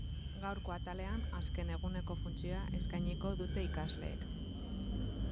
Gaurko atalean, azken eguneko funtzioa eskainiko dute ikasleek.